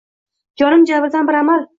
Jon jabridan bir amal —